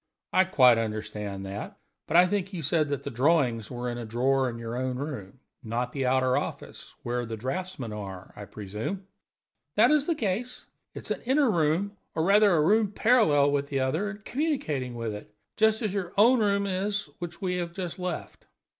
"I quite understand that. But I think you said that the drawings were in a drawer in your own room not the outer office, where the draughtsmen are, I presume?" "That is the case. It is an inner room, or, rather, a room parallel with the other, and communicating with it; just as your own room is, which we have just left."